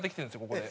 ここで。